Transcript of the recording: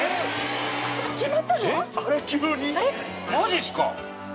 マジっすか？